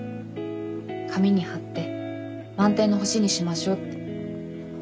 「紙に貼って満天の星にしましょう」って。